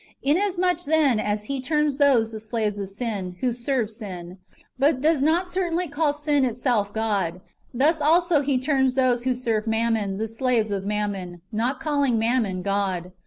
"^ Liasmuch, then, as He terms those " the slaves of sin" who serve sin, but does not certainly call sin itself God, thus also He terms those who serve mammon " the slaves of mammon," not calling mammon God.